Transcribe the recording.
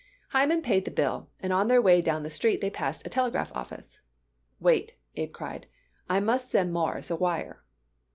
Hyman paid the bill, and on their way down the street they passed a telegraph office. "Wait," Abe cried, "I must send Mawruss a wire."